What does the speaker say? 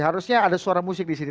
harusnya ada suara musik disini